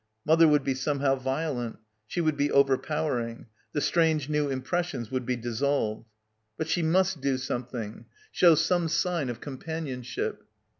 ... Mother would be somehow violent. She would be overpowering. The strange new impressions would be dissolved." Rut she must do something, show some sign of companionship.